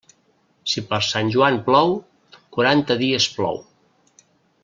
Si per Sant Joan plou, quaranta dies plou.